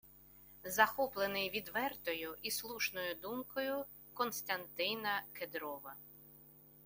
Захоплений відвертою і слушною думкою Костянтина Кедрова